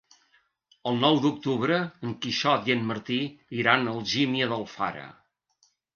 El nou d'octubre en Quixot i en Martí iran a Algímia d'Alfara.